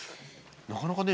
なかなかね